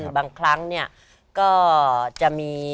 บางครั้งเนี่ยก็จะมี